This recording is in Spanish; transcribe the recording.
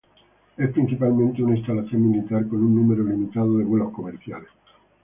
Es principalmente una instalación militar, con un número limitado de vuelos comerciales.